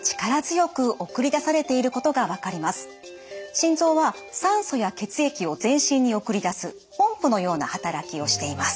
心臓は酸素や血液を全身に送り出すポンプのような働きをしています。